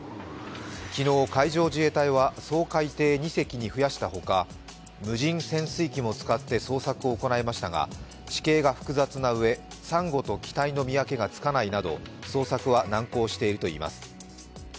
昨日、海上自衛隊は掃海艇２隻に増やしたほか、無人潜水機も使って捜索を行いましたが、地形が複雑なうえさんごと機体の見分けがつかないなど捜索は難航しているといいます。